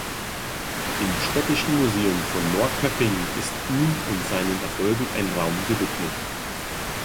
Im städtischen Museum von Norrköping ist ihm und seinen Erfolgen ein Raum gewidmet.